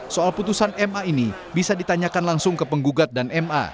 soal putusan ma ini bisa ditanyakan langsung ke penggugat dan ma